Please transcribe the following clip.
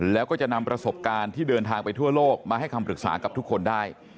แล้วก็จะนำประสบการณ์ที่เดินทางไปทั่วโลกมาให้คำปรึกษากับทุกคนได้